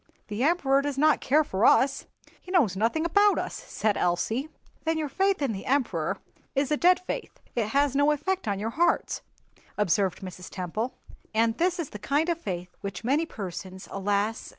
"The Emperor does not care for us; he knows nothing about us," said Elsie. "Then your faith in the Emperor is a dead faith, it has no effect on your hearts," observed Mrs. Temple. "And this is the kind of faith which many persons, alas!